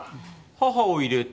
母を入れて。